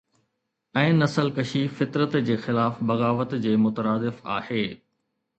۽ نسل ڪشي فطرت جي خلاف بغاوت جي مترادف آهي